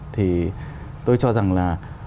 thì tôi cho rằng là